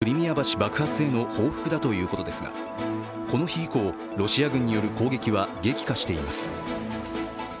８日に起きた南部のクリミア橋爆発の報復だということですがこの日以降、ロシア軍による攻撃は激化しています。